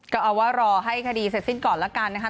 ก็เอาว่ารอให้คดีเสร็จสิ้นก่อนแล้วกันนะคะ